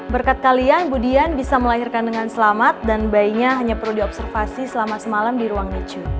berkat kalian budian bisa melahirkan dengan selamat dan bayinya hanya perlu diobservasi selama semalam di ruang licu